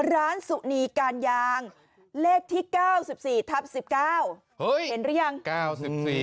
ร้านสุนีการยางเลขที่เก้าสิบสี่ทับสิบเก้าเฮ้ยเห็นหรือยังเก้าสิบสี่